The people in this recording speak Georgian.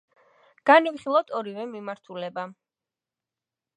განვიხილოთ ორივე მიმართულება.